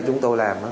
chúng tôi làm